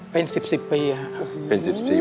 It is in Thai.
เป็น๑๐๑๐ปีครับ